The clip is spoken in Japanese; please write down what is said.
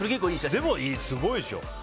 でも、すごいでしょ。